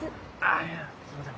あいやすいません